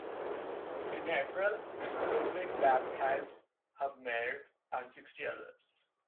In April Reublin baptized Hubmaier and sixty others.